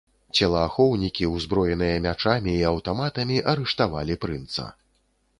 Целаахоўнікі, узброеныя мячамі і аўтаматамі, арыштавалі прынца.